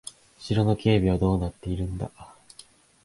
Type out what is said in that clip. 城の警備はどうなっているんだ。